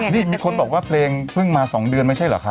นี่มีคนบอกว่าเพลงเพิ่งมา๒เดือนไม่ใช่เหรอคะ